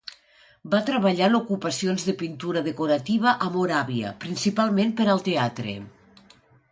Va treballar en ocupacions de pintura decorativa a Moràvia, principalment per al teatre.